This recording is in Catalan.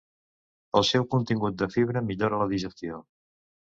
El seu contingut de fibra millora la digestió.